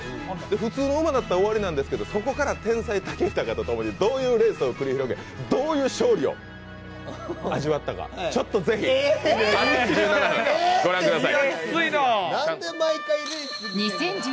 普通の馬だったら終わりなんですけど、そのときどういうレースを繰り広げ、どういう勝利を味わったか是非、御覧ください。